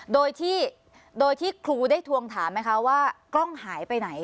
โดยที่โดยที่ครูได้ทวงถามไหมคะว่ากล้องหายไปไหน